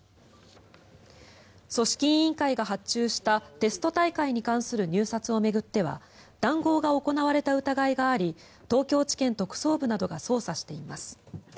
組織委員会が発注したテスト大会に関する入札を巡っては談合が行われた疑いがあり東京地検特捜部などが捜査しています。